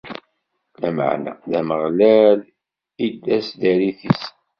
Lameɛna d Ameɣlal i d taseddarit-is.